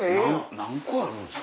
何個あるんですか？